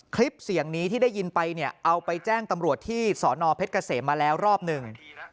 คลิปเสียงนี้ที่ได้ยินไปเนี่ยเอาไปแจ้งตำรวจที่สอนอเพชรเกษมมาแล้วรอบหนึ่ง